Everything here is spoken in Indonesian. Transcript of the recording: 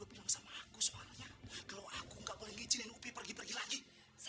bilang sama aku soalnya kalau aku nggak boleh ngicilin upi pergi pergi lagi saya